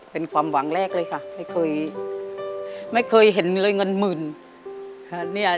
เป็นความหวังแรกเลยค่ะไม่เคยไม่เคยเห็นเลยเงินหมื่น